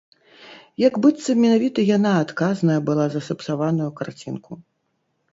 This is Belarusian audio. Як быццам менавіта яна адказная была за сапсаваную карцінку.